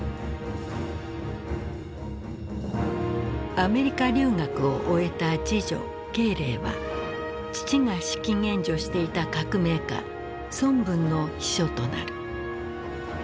アメリカ留学を終えた次女慶齢は父が資金援助していた革命家孫文の秘書となる。